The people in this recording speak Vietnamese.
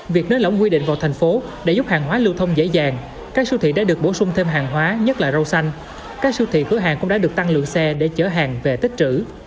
việc nới lỏng quy định vào thành phố để giúp hàng hóa lưu thông dễ dàng các siêu thị đã được bổ sung thêm hàng hóa nhất là rau xanh các siêu thị cửa hàng cũng đã được tăng lượng xe để chở hàng về tích trữ